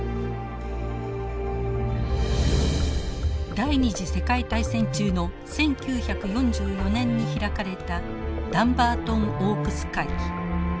第２次世界大戦中の１９４４年に開かれたダンバートン・オークス会議。